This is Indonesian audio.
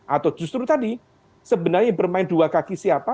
atau justru tadi sebenarnya bermain dua kaki siapa